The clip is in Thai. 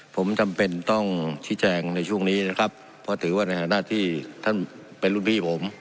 ผมจำเป็นต้องชี้แจงในช่วงนี้นะครับเพราะถือว่าในฐานะที่ท่านเป็นรุ่นพี่ผม